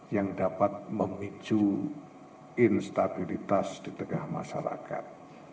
yang dapat memicu instabilitas di tengah masyarakat